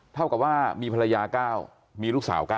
เท่ากับว่ามีภรรยา๙มีลูกสาว๙